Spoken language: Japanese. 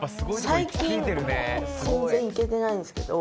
最近全然行けてないんですけど。